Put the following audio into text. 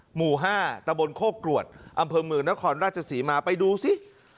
หมู่๕ตะบนโคกรวดอำเภอเมืองนครราชศรีมาไปดูสิ